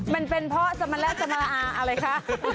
มันเป็นเพราะสมรสมาอาอะไรคะ